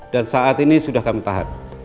dan saat ini sudah kami tahan